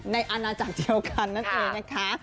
ในอันจักรเดียวกันนั้นเองนะคะ